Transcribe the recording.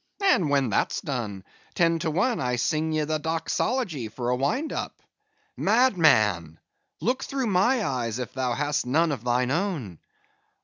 And when that's done, ten to one I sing ye the doxology for a wind up." "Madman! look through my eyes if thou hast none of thine own."